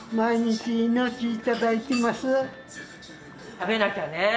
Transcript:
食べなきゃね。